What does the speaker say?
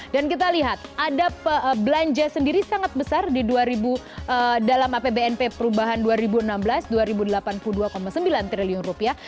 dan kita lihat ada belanja sendiri sangat besar di dua ribu dalam apbn perubahan dua ribu enam belas dua ribu delapan puluh dua sembilan triliun rupiah